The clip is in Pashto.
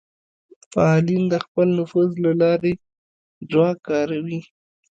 فعالین د خپل نفوذ له لارې ځواک کاروي